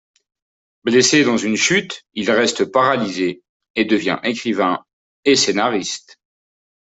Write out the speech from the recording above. Blessé dans une chute, il reste paralysé, et devient écrivain et scénariste.